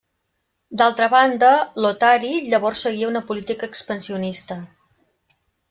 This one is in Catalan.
D'altra banda, Lotari llavors seguia una política expansionista.